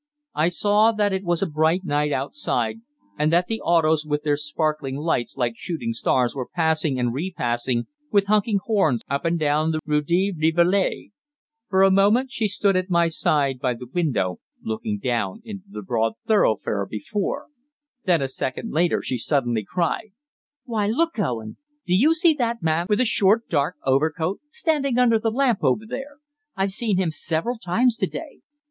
I saw that it was a bright night outside, and that the autos with their sparkling lights like shooting stars were passing and repassing with honking horns up and down the Rue de Rivoli. For a moment she stood at my side by the window, looking down into the broad thoroughfare below. Then, a second later, she suddenly cried "Why, look, Owen! Do you see that man with the short dark overcoat standing under the lamp over there? I've seen him several times to day.